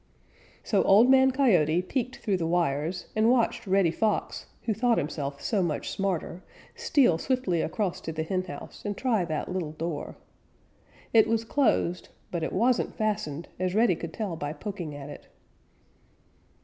So Old Man Coyote peeked through the wires and watched Reddy Fox, who thought himself so much smarter, steal swiftly across to the henhouse and try that little door. It was closed, but it wasn't fastened, as Reddy could tell by poking at it.